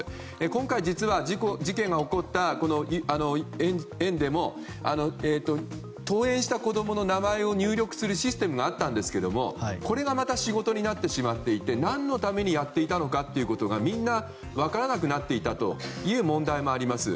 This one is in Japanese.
今回、実は事件が起こった園でも登園した子供の名前を入力するシステムがあったんですけれどもこれがまた仕事になってしまっていて何のためにやったのかというのがみんな分からなくなっていたという問題もあります。